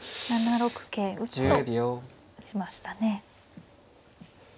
７六桂打としましたね。